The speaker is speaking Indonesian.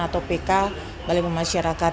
atau pk balai pemasyarakatan jakarta